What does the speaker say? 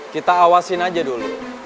kita awasin aja dulu